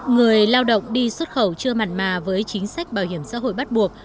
người lao động đi xuất khẩu chưa mặn mà với chính sách bảo hiểm xã hội bắt buộc